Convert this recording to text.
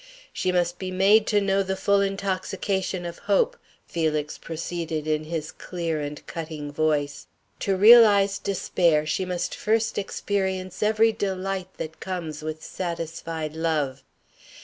"She must be made to know the full intoxication of hope," Felix proceeded in his clear and cutting voice. "To realize despair she must first experience every delight that comes with satisfied love.